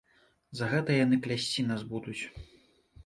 За гэта яны клясці нас будуць.